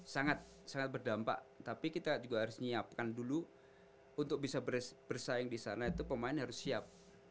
sangat sangat berdampak tapi kita juga harus menyiapkan dulu untuk bisa bersaing di sana itu pemain harus siap